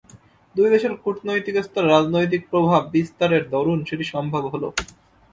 দুই দেশের কূটনৈতিক স্তরে রাজনৈতিক প্রভাব বিস্তারের দরুন সেটি সম্ভব হলো।